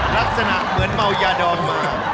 ลักษณะเหมือนเมายาดองมา